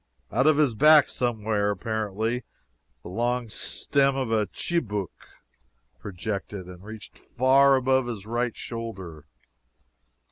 Out of his back, somewhere, apparently, the long stem of a chibouk projected, and reached far above his right shoulder.